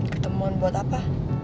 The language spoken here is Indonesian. ketemuan buat apa